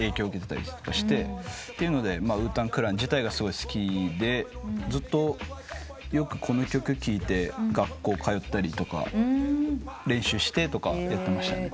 そういうのでウータン・クラン自体がすごい好きでずっとよくこの曲聴いて学校通ったりとか練習してとかやってましたね。